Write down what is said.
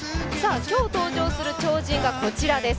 今日登場する超人がこちらです。